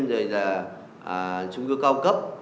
rồi là trung cư cao cấp